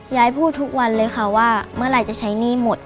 ยายพูดทุกวันเลยค่ะว่าเมื่อไหร่จะใช้หนี้หมด